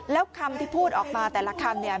แล้วคำที่พูดออกมาแต่ละคำเนี่ย